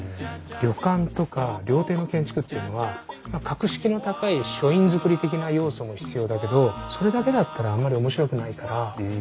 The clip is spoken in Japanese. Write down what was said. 旅館とか料亭の建築っていうのは格式の高い書院造り的な要素も必要だけどそれだけだったらあんまり面白くないからちょっと崩す。